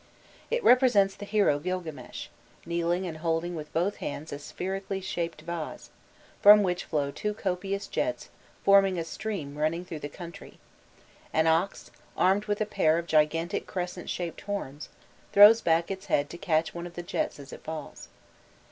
It represents the hero Gilgames, kneeling and holding with both hands a spherically shaped vase, from which flow two copious jets forming a stream running through the country; an ox, armed with a pair of gigantic crescent shaped horns, throws back its head to catch one of the jets as it falls.